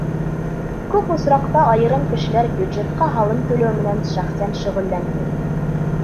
Күп осраҡта айырым кешеләр бюджетҡа һалым түләү менән шәхсән шөғөлләнмәй.